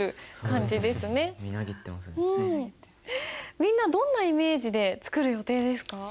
みんなどんなイメージで作る予定ですか？